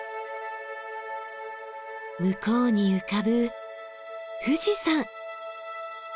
向こうに浮かぶ富士山。